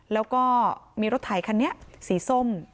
แล้วก็มีรถไถคันนี้สีส้ม